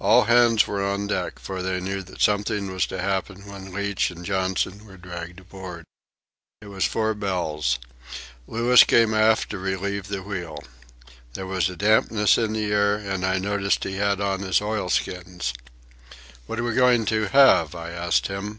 All hands were on deck, for they knew that something was to happen when Leach and Johnson were dragged aboard. It was four bells. Louis came aft to relieve the wheel. There was a dampness in the air, and I noticed he had on his oilskins. "What are we going to have?" I asked him.